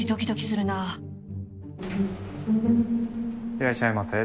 いらっしゃいませ。